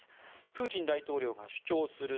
プーチン大統領が主張する